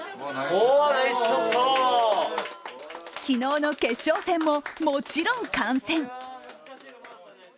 昨日の決勝戦ももちろん観戦。